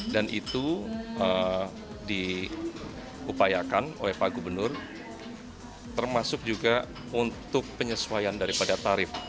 dan itu diupayakan oleh pak gubernur termasuk juga untuk penyesuaian daripada tarif